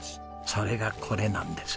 それがこれなんです。